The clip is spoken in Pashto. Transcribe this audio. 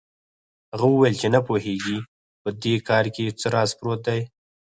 هغه وویل چې نه پوهېږي په دې کار کې څه راز پروت دی.